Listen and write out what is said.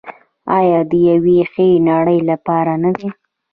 آیا د یوې ښې نړۍ لپاره نه ده؟